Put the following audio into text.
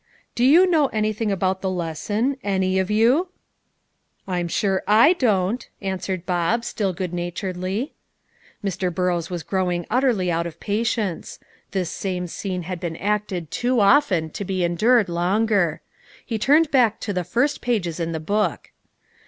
"Do you know anything about the lesson, any of you?" "I'm sure I don't," answered Bob, still good naturedly. Mr. Burrows was growing utterly out of patience; this same scene had been acted too often to be endured longer. He turned back to the first pages in the book.